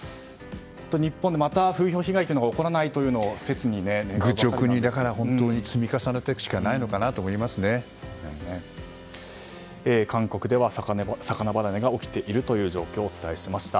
日本でまた風評被害が起こらないというのを愚直に積み重ねていくしか韓国では魚離れが起きているという状況をお伝えしました。